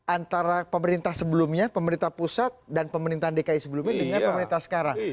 antara pemerintah sebelumnya pemerintah pusat dan pemerintahan dki sebelumnya dengan pemerintah sekarang